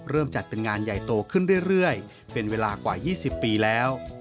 จัดเป็นงานใหญ่โตขึ้นเรื่อยเป็นเวลากว่า๒๐ปีแล้ว